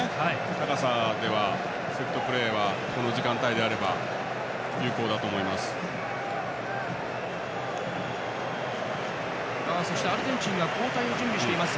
高さではセットプレーはこの時間帯なら有効だと思います。